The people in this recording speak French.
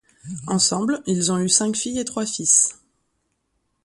Ensemble, ils ont eu cinq filles et trois fils.